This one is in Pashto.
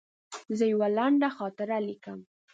زه یوه لنډه خاطره لیکم.